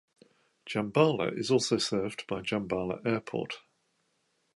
Djambala is also served by Djambala Airport.